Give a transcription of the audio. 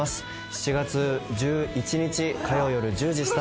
７月１１日火曜よる１０時スタート